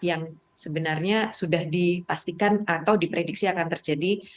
yang sebenarnya sudah dipastikan atau diprediksi akan terjadi